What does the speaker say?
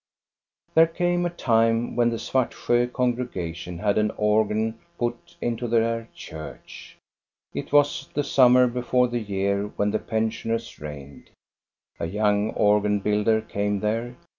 There came a time when the Svartsjo congrega tion had an organ put '.ito their church. It was the summer before the year when the pensioners reigned. A young organ builder came there.